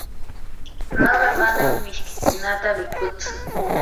nuqa manam mishkiykunata mikutsu.